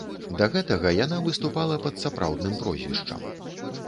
Да гэтага яна выступала пад сапраўдным прозвішчам.